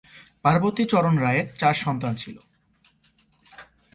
পার্বতী চরণ রায়ের চার সন্তান ছিল।